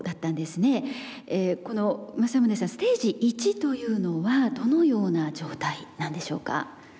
正宗さんステージ１というのはどのような状態なんでしょうか？